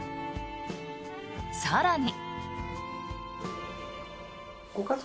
更に。